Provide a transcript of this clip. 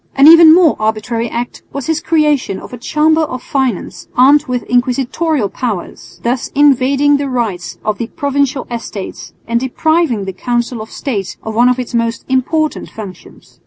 An even more arbitrary act was his creation of a Chamber of Finance armed with inquisitorial powers, thus invading the rights of the Provincial Estates and depriving the Council of State of one of its most important functions.